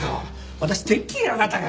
私てっきりあなたが。